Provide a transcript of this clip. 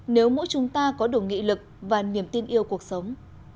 nếu mỗi chúng ta có đủ nghị lực và niềm tin yêu cuộc sống